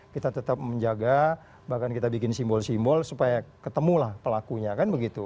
kita tetap menjaga bahkan kita bikin simbol simbol supaya ketemulah pelakunya kan begitu